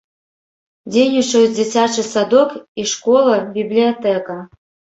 Дзейнічаюць дзіцячы садок і школа, бібліятэка.